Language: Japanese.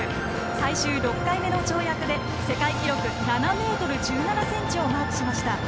最終６回目の跳躍で世界記録の７ｍ１７ｃｍをマークしました。